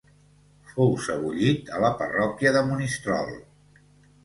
Fou sebollit a la parròquia de Monistrol.